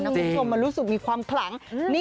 คุณผู้ชมมันรู้สึกมีความขลัง